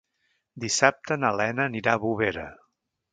Dissabte na Lena anirà a Bovera.